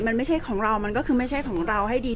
แต่ว่าสามีด้วยคือเราอยู่บ้านเดิมแต่ว่าสามีด้วยคือเราอยู่บ้านเดิม